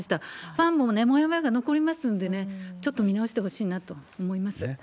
ファンももやもやが残りますのでね、ちょっと見直してほしいなと思います。